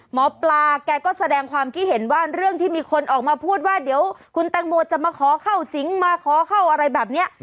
หมอปลาแกก็แสดงความคิดเห็นว่าเรื่องที่มีคนออกมาพูดว่าเดี๋ยวคุณแตงโมจะมาขอเข้าสิงมาขอเข้าอะไรแบบนี้